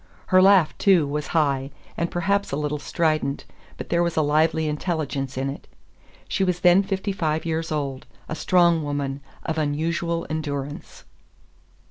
Her laugh, too, was high, and perhaps a little strident, but there was a lively intelligence in it. She was then fifty five years old, a strong woman, of unusual endurance.